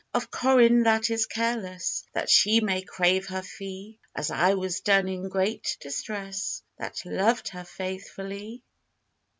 Of Corin that is careless, That she may crave her fee, As I have done in great distress, That loved her faithfully!"